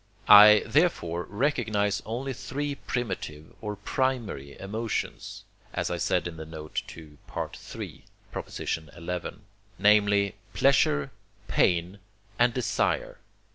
I, therefore, recognize only three primitive or primary emotions (as I said in the note to III. xi.), namely, pleasure, pain, and desire.